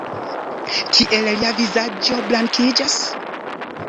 Kiel lia vizaĝo blankiĝas?